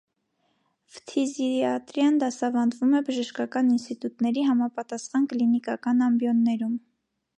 Ֆթիզիատրիան դասավանդվում է բժշկական ինստիտուտների համապատասխան կլինիկական ամբիոններում։